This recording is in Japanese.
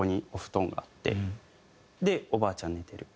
「おばあちゃん寝てる」。